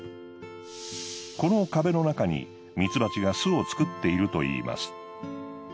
この壁の中にミツバチが巣を作っているといいます。